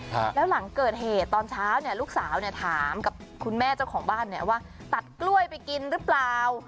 ครับแล้วหลังเกิดเหตุตอนเช้าเนี่ยลูกสาวเนี่ยถามกับคุณแม่เจ้าของบ้านเนี่ยว่าตัดกล้วยไปกินหรือเปล่า